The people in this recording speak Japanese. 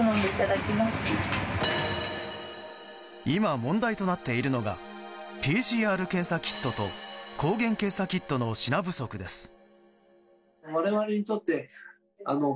今、問題となっているのがＰＣＲ検査キットと抗原検査キットの品不足です。